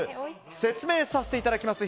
説明させていただきます